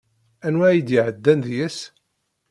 Anwa ay d-iɛeddan deg-s?